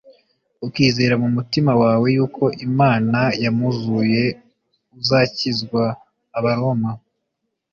ukizera mu mutima wawe yuko Imana yamuzuye uzakizwa.” Abaroma